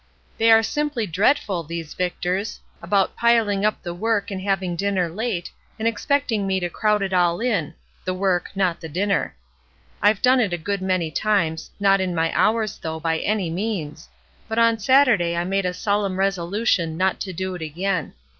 They are simply dreadful, these Victors, about piling up the work and having dinner late, and expect ing me to crowd it all in, the work, not the dinner. I've done it a good many times, not in my hours though, by any means; but on Saturday I made a solemn resolution not to do it again.